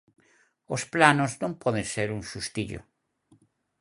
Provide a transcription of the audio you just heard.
Os planos non poden ser un xustillo.